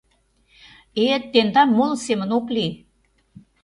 Э, тендам моло семын ок лий...